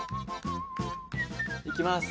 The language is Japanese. いきます。